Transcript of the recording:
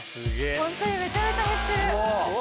ホントにめちゃめちゃ減ってる。